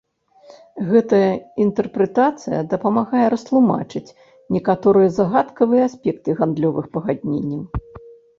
Гэтая інтэрпрэтацыя дапамагае растлумачыць некаторыя загадкавыя аспекты гандлёвых пагадненняў.